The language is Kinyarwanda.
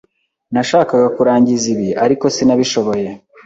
Nashakaga kurangiza ibi, ariko sinabishoboye.